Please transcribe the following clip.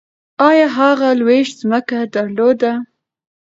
ایا هغه لویشت ځمکه درلوده؟